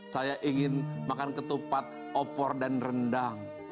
saya ingin makan ketupat opor dan rendang